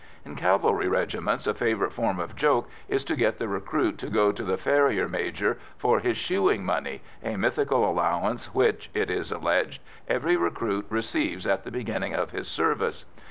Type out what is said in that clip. In cavalry regiments, a favourite form of joke is to get the recruit to go to the farrier major for his "shoeing money," a mythical allowance which, it is alleged, every recruit receives at the beginning of his service.